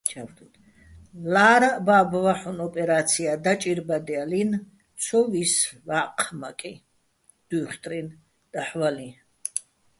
ლა́რაჸ ბა́ბო̆ ვაჰ̦ონ ოპერა́ცია დაჭირბადჲალინი̆, ცო ვისვა́ჴმაკიჼ დუჲხტრინ, დაჰ̦ ვალიჼ.